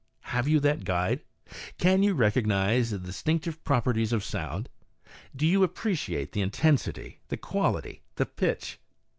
Have you that guide ? Can you recognize the distinctive proper ties of sound ? Do you appreciate the intensity, the quality, the pitch?